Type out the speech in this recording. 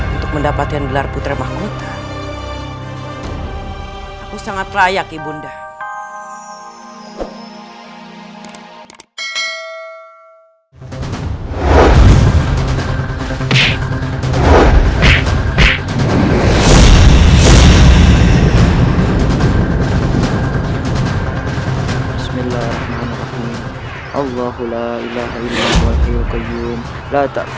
untuk mendapatkan gelar putra mahkota